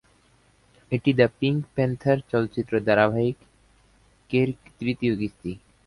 এটি "the Pink Panther" চলচ্চিত্র ধারাবাহিকের তৃতীয় কিস্তি।